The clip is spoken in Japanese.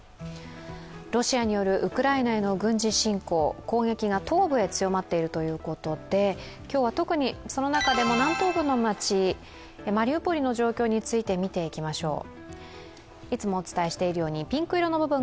ロシアによるウクライナへの軍事侵攻、攻撃が東部へ強まっていることで今日は特にその中でも南東部の街、マリウポリの状況について見ていきましょう。